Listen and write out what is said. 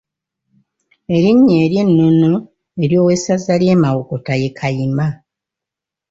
Erinnya ery’ennono ery’owessaza ly’e Mawokota ye Kayima.